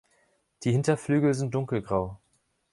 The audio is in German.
Die Hinterflügel sind dunkelgrau.